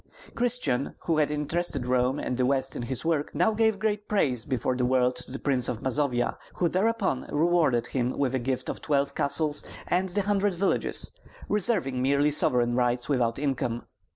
Christian, who had interested Rome and the West in his work, now gave great praise before the world to the Prince of Mazovia, who thereupon rewarded him with a gift of twelve castles and one hundred villages, reserving merely sovereign rights without income.